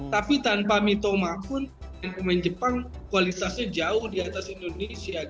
tapi tanpa mitoma pun pemain jepang kualitasnya jauh di atas indonesia